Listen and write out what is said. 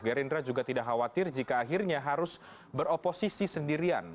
gerindra juga tidak khawatir jika akhirnya harus beroposisi sendirian